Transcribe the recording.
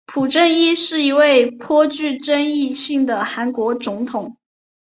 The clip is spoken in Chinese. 朴正熙是一位颇具争议性的韩国总统。